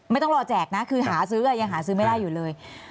ไม่ต้องรอแจกนะคือหาซื้อยังหาซื้อไม่ได้อยู่เลย